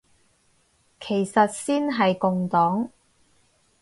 其次先係共黨